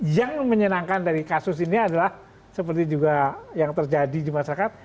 yang menyenangkan dari kasus ini adalah seperti juga yang terjadi di masyarakat